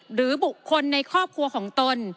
หรือบุคคลในครอบครัวของตน